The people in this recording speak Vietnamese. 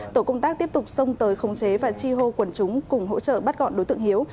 tổ công tác tiếp tục xông tới khống chế và chi hô quần chúng cùng hỗ trợ bắt gọn đối tượng hiếu